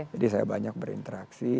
jadi saya banyak berinteraksi